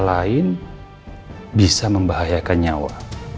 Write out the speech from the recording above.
dan bisa membahayakan nyawa